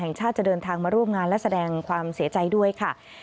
แห่งชาติจะเดินทางมาร่วมงานและแสดงความเสียใจด้วยค่ะ